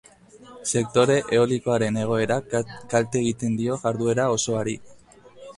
Sektore eolikoaren egoerak kalte egiten dio jarduera osoari.